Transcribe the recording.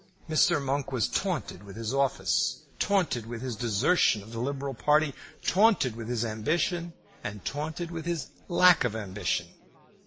Mr. Monk was taunted with his office, taunted with his desertion of the liberal party, taunted with his ambition, and taunted with his lack of ambition.